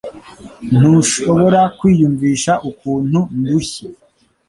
Ntushobora kwiyumvisha ukuntu ndushye